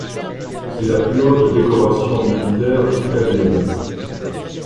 C'est la plus haute décoration militaire italienne.